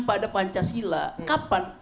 pada pancasila kapan